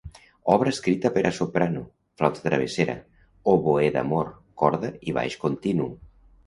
Obra escrita per a soprano, flauta travessera, oboè d’amor, corda i baix continu.